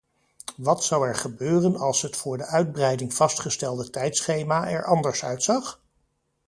Wat zou er gebeuren als het voor de uitbreiding vastgestelde tijdschema er anders uitzag?